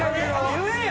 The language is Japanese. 言えよ！